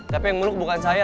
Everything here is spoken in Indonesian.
tapi yang meluk bukan saya